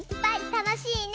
たのしいね！